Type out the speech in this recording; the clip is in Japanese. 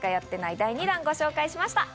第２弾をご紹介しました。